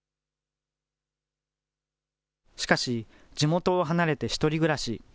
しかし、地元を離れて１人暮らし。